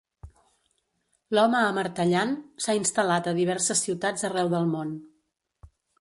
"L'home amartellant" s'ha instal·lat a diverses ciutats arreu del món.